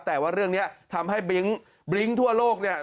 แต่ว่าเรื่องนี้ทำให้บริ้งทั่วโลกเนี่ย